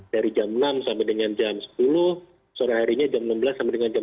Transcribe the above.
dari jam enam sampai dengan jam sepuluh sore harinya jam enam belas sampai dengan jam dua